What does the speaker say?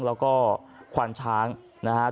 แล้วก็ควานช้างนะครับ